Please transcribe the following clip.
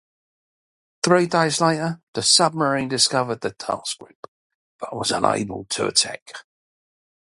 Three days later, the submarine discovered the task group, but was unable to attack.